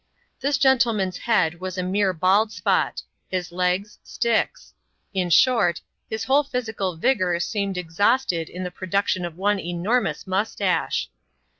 This gentleman's head was a mere bald spot ; his legs, sticks ; in short, his whole physical vigour seemed exhausted in the pro duction of one enormous moustache.